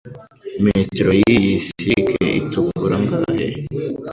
Metero yiyi silike itukura ingahe?